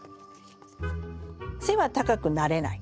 背は高くなれない。